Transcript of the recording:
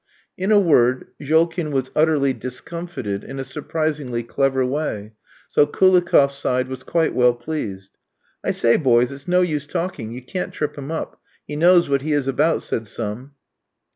In a word, Jolkin was utterly discomfited in a surprisingly clever way, so Koulikoff's side was quite well pleased. "I say, boys, it's no use talking; you can't trip him up. He knows what he is about," said some.